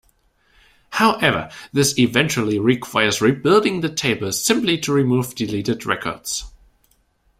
However this eventually requires rebuilding the table simply to remove deleted records.